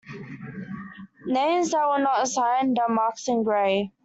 Names that were not assigned are marked in gray.